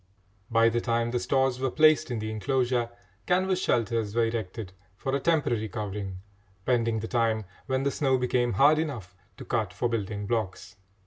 By the time the stores were placed in the enclosure, canvas shelters were erected for a temporary covering, pending the time when the snow became hard enough to cut for building blocks.